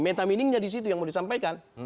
meta meaningnya di situ yang mau disampaikan